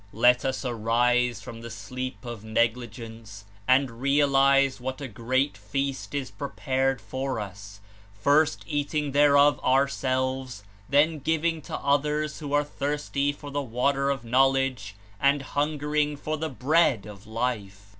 Let us arise from the sleep of negligence and realize what a Great Feast is prepared for us; first eating thereof ourselves, then giving to others who are thirsting for the Water of Knowledge and hungering for the Bread of Life!